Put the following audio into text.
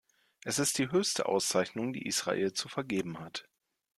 Es ist die höchste Auszeichnung, die Israel zu vergeben hat.